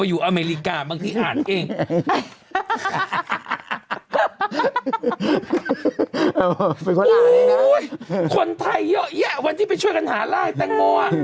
มาอยู่อเมริกาบางทีอ่านเอง